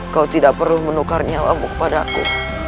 kau tidak perlu menukar nyawa buk padaku